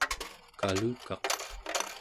kalukaq¹